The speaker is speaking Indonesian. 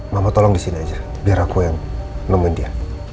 mama tolong disini aja biar aku yang nemen dia